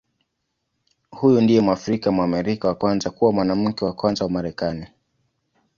Huyu ndiye Mwafrika-Mwamerika wa kwanza kuwa Mwanamke wa Kwanza wa Marekani.